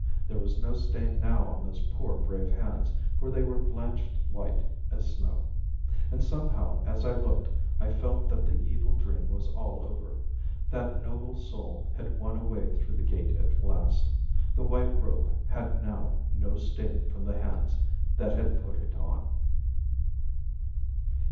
There was no stain now on those poor, brave hands, for they were blanched white as snow. And somehow as I looked I felt that the evil dream was all over. That noble soul had won a way through the gate at last. The white robe had now no stain from the hands that had put it on.